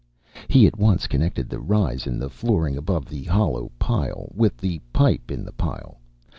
He at once connected the rise in the flooring above the hollow pile with the pipe in the pile.